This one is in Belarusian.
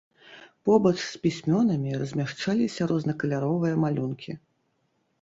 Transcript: Побач з пісьмёнамі размяшчаліся рознакаляровыя малюнкі.